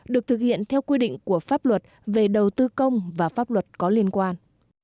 được thực hiện theo quy định của pháp luật về đầu tư công và pháp luật có liên quan